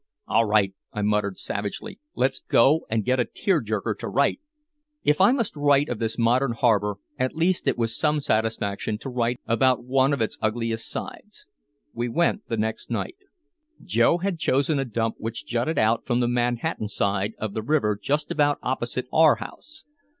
"All right," I muttered savagely, "let's go and get a tear jerker to write!" If I must write of this modern harbor, at least it was some satisfaction to write about one of its ugliest sides. We went the next night. Joe had chosen a dump which jutted out from the Manhattan side of the river just about opposite our house.